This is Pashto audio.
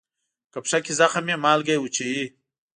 که پښه کې زخم وي، مالګه یې وچوي.